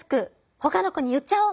ほかの子に言っちゃおう！」